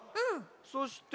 そして。